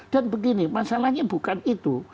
dan begini masalahnya bukan itu